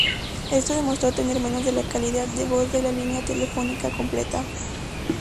Esto demostró tener menos de la calidad de voz de la línea telefónica completa.